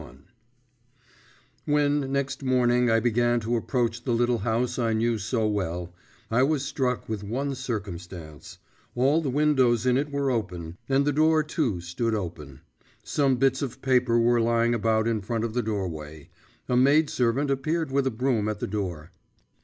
XXI When next morning I began to approach the little house I knew so well, I was struck with one circumstance; all the windows in it were open, and the door too stood open; some bits of paper were lying about in front of the doorway; a maidservant appeared with a broom at the door.